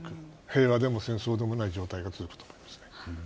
平和でも戦争でもない状態が続くと思いますね。